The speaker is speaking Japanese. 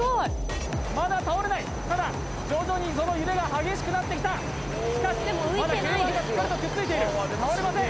まだ倒れないただ徐々にその揺れが激しくなってきたしかしまだ吸盤がしっかりとくっついている倒れません